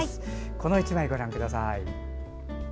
この１枚ご覧ください。